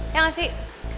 ya gak sih